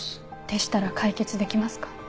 でしたら解決できますか？